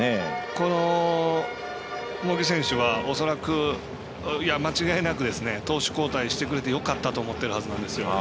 この茂木選手は間違いなく投手交代してくれてよかったと思っているはずなんですよ。